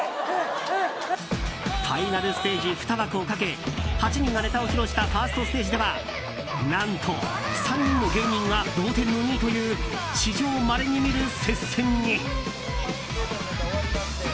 ファイナルステージ２枠をかけ８人がネタを披露したファーストステージでは何と３人の芸人が同点の２位という史上まれに見る接戦に。